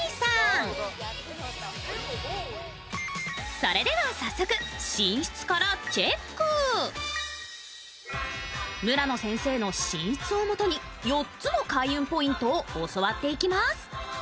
それでは早速、寝室からチェック村野先生の寝室をもとに４つの開運ポイントを教わっていきます。